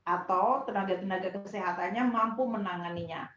atau tenaga tenaga kesehatannya mampu menanganinya